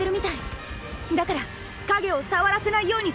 だから影を触らせないようにすれば大丈夫。